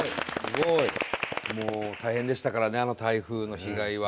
もう大変でしたからねあの台風の被害は。